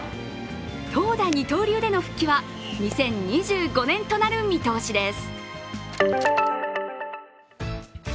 投打二刀流での復帰は２０２５年となる見通しです。